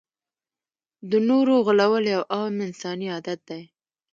د نورو غولول یو عام انساني عادت دی.